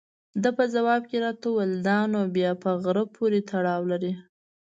ده په ځواب کې راته وویل: دا نو بیا په غره پورې تړاو لري.